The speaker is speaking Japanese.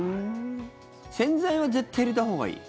洗剤は絶対入れたほうがいい？